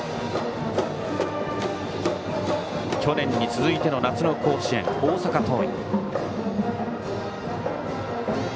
去年に続いての夏の甲子園大阪桐蔭。